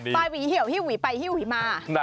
ปลายหวีเหี่ยวหิ้วหวีปลายหิ้วหวีมา